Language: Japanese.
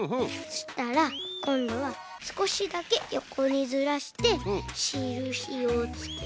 そしたらこんどはすこしだけよこにずらしてしるしをつけて。